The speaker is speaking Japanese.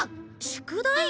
宿題？